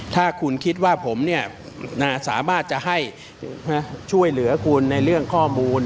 ถ้าคุณคิดว่าผมสามารถจะให้ช่วยเหลือคุณในเรื่องข้อมูล